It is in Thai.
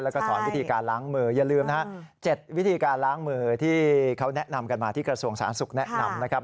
แล้วก็สอนวิธีการล้างมืออย่าลืมนะฮะ๗วิธีการล้างมือที่เขาแนะนำกันมาที่กระทรวงสาธารณสุขแนะนำนะครับ